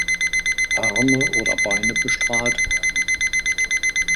Arme oder Beine bestrahlt werden.